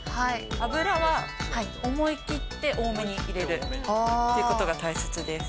油は思い切って多めに入れるということが大切です。